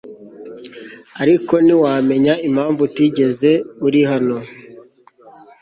ariko ntiwamenya impamvu utigeze uri hano